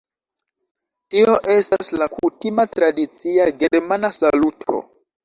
Tio estas la kutima tradicia germana saluto